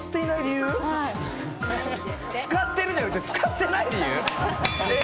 使ってるじゃなくて、使ってない理由？